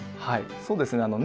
はいそうですね